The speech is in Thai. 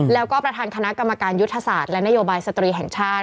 แล้วก็ประธานคณะกรรมการยุทธศาสตร์และนโยบายสตรีแห่งชาติ